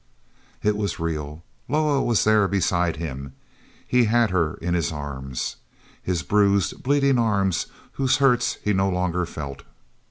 It was real! Loah was there beside him; he had her in his arms, his bruised, bleeding arms whose hurts he no longer felt.